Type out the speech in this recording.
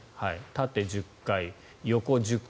縦１０回、横１０回。